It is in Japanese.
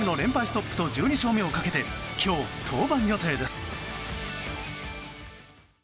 ストップと１２勝目をかけて今日、登板予定です。